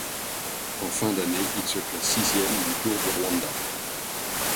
En fin d'année, il se classe sixième du Tour du Rwanda.